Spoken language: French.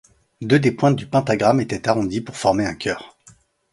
Deux des pointes du pentagramme étant arrondie pour former un cœur.